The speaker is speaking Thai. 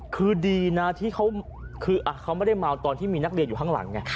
คือดีนะที่เขาคือเขาไม่ได้เมาตอนที่มีนักเรียนอยู่ข้างหลังไง